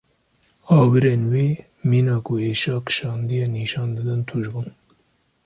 Awirên wî mîna ku êşa kişandiye nîşan didin tûj bûn.